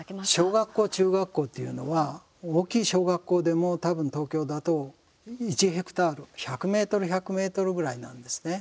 小学校、中学校というのは大きい小学校でも多分東京だと、１ヘクタール１００ｍ１００ｍぐらいなんですね。